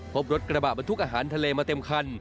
พบรถกระบะบรรทุกอาหารทะเลมาเต็มคัน